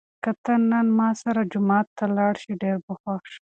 که ته نن له ما سره جومات ته لاړ شې، ډېر به خوښ شم.